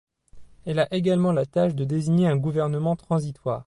Elle a également la tâche de désigner un gouvernement transitoire.